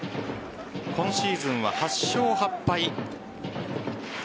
今シーズンは８勝８敗。